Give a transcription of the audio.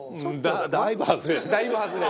だいぶ外れ。